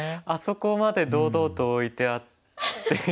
あそこまで堂々と置いてあって。